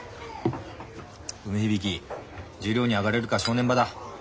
梅響十両に上がれるか正念場だ。